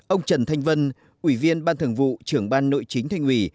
ông trần thanh vân ủy viên ban thường vụ trưởng ban nội chính thành ủy